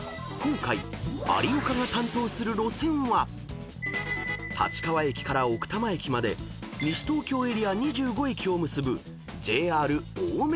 ［今回有岡が担当する路線は立川駅から奥多摩駅まで西東京エリア２５駅を結ぶ］